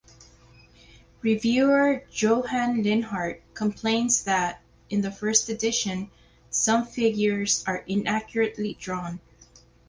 Reviewer Johann Linhart complains that (in the first edition) some figures are inaccurately drawn.